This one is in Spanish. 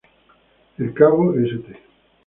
El cabo St.